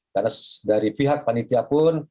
karena dari pihak panitia pun